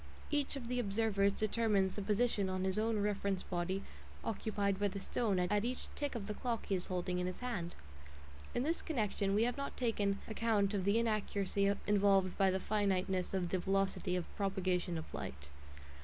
Each of the observers determines the position on his own reference body occupied by the stone at each tick of the clock he is holding in his hand. In this connection we have not taken account of the inaccuracy involved by the finiteness of the velocity of propagation of light.